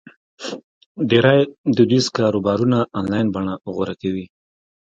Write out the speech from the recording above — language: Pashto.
ډېری دودیز کاروبارونه آنلاین بڼه غوره کوي.